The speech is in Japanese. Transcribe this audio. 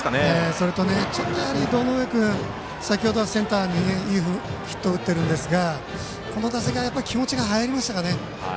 それと、やはり堂上君先程はセンターにいいヒットを打っていますがこの打席は気持ちが入りましたかね。